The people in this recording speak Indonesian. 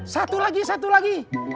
satu lagi satu lagi